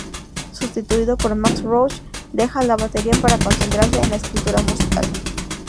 Sustituido por Max Roach, deja la batería para concentrarse en la escritura musical.